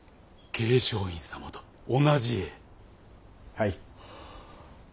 はい。